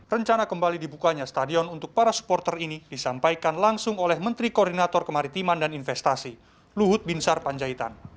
rencana kembali dibukanya stadion untuk para supporter ini disampaikan langsung oleh menteri koordinator kemaritiman dan investasi luhut binsar panjaitan